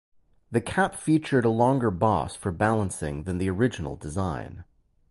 The cap featured a longer boss for balancing than the original design.